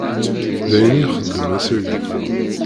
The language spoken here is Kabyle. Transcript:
D ayen i ixeddem ass-agi.